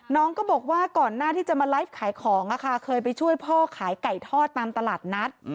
น้องก็บอกว่าก่อนหน้าที่จะมาไลฟ์ขายของเคยไปช่วยพ่อขายไก่ทอดตามตลาดนัด